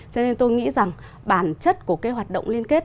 cho nên tôi nghĩ rằng bản chất của cái hoạt động liên kết